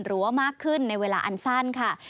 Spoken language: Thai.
ว่ามากขึ้นในเวลาอันสั้นค่ะ